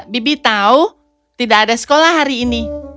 bibi tahu tidak ada sekolah hari ini